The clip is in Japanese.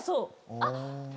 あっ。